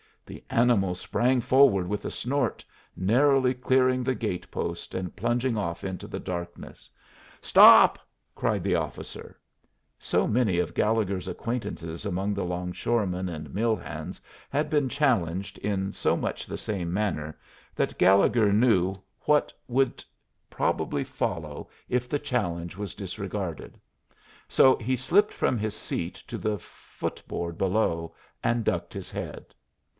The animal sprang forward with a snort, narrowly clearing the gate post, and plunged off into the darkness. "Stop!" cried the officer. So many of Gallegher's acquaintances among the 'longshoremen and mill hands had been challenged in so much the same manner that Gallegher knew what would probably follow if the challenge was disregarded. So he slipped from his seat to the footboard below, and ducked his head.